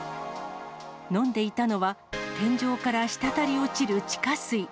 飲んでいたのは、天井から滴り落ちる地下水。